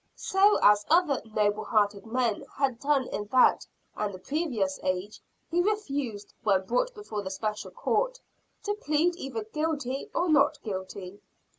So, as other noble hearted men had done in that and the previous age, he refused when brought before the Special Court, to plead either "guilty" or "not guilty."